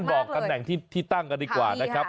บอกตำแหน่งที่ตั้งกันดีกว่านะครับ